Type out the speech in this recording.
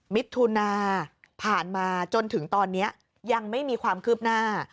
มิถุนาผ่านมาจนถึงตอนนี้ยังไม่มีความคืบหน้า